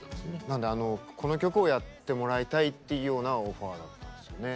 なので「この曲をやってもらいたい」っていうようなオファーだったんですよね。